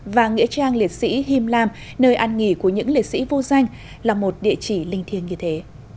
và nghĩa trang liệt sĩ him lam nơi ăn nghỉ của những liệt sĩ vô danh là một địa chỉ linh thiêng như thế